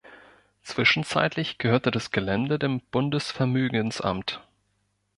Zwischenzeitlich gehörte das Gelände dem Bundesvermögensamt.